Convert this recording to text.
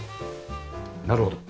なるほど。